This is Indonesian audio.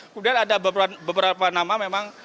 kemudian ada beberapa nama memang